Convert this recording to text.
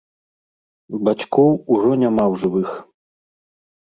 Бацькоў ужо няма ў жывых.